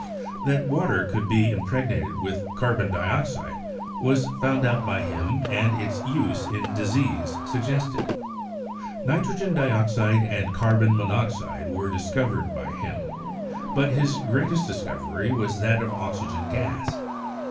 That water could be impregnated with carbon dioxide was found out by him, and its use in disease suggested,) Nitrogen dioxide and carbon monoxide were discovered by him, but his greatest discovery was that of oxygen gas.